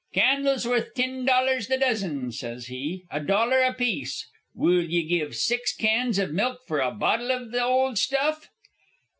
'Candles worth tin dollars the dozen,' sez he, 'a dollar apiece. Will ye give six cans iv milk for a bottle iv the old stuff?'